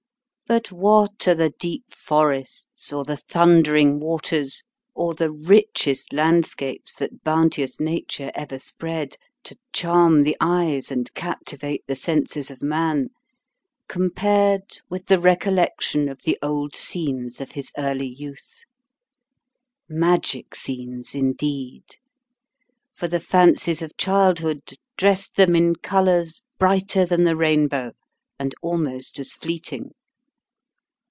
But what are the deep forests, or the thundering waters, or the richest landscapes that bounteous nature ever spread, to charm the eyes, and captivate the senses of man, compared with the recollection of the old scenes of his early youth ? Magic scenes indeed ; for the fancies of childhood dressed them in colours brighter than the rainbow, and almost as fleeting